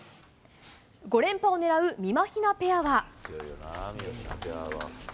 ５連覇をねらうみまひなペアは。